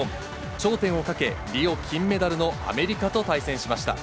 頂点をかけ、リオ金メダルのアメリカと対戦しました。